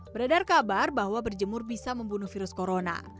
beredar kabar bahwa berjemur bisa membunuh virus corona